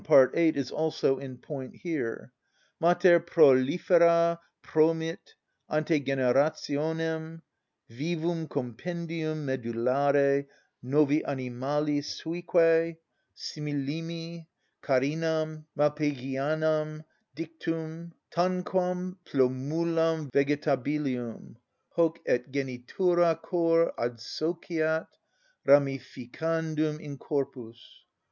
p. 8, is also in point here: "_Mater prolifera promit, ante generationem, __ vivum compendium medullare novi animalis suique simillimi, carinam Malpighianam dictum, tanquam plumulam vegetabilium: hoc ex genitura Cor adsociat ramificandum in corpus.